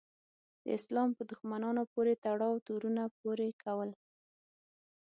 د اسلام په دښمنانو پورې تړاو تورونه پورې کول.